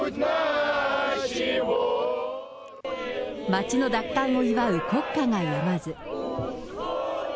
街の奪還を祝う国歌がやまず。